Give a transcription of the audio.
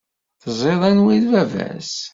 Teẓriḍ anwa i d baba-s?